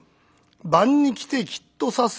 晩に来てきっと刺す。